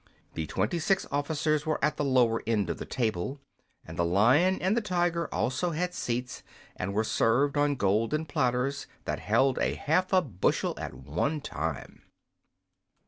The twenty six officers were at the lower end of the table, and the Lion and the Tiger also had seats, and were served on golden platters, that held a half a bushel at one time.